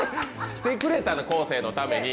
来てくれたの、昴生のために！